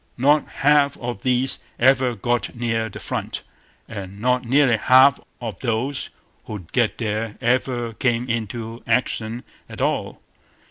Not half of these ever got near the front; and not nearly half of those who did get there ever came into action at all.